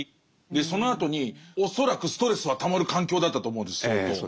そのあとに恐らくストレスはたまる環境だったと思うんです相当。